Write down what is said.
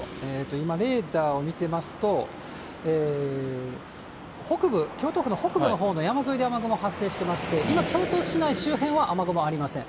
今、レーダーを見てますと、北部、京都府の北部のほうで山沿いで雨雲発生してまして、今、市内周辺は雨雲ありません。